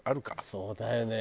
そうだよね。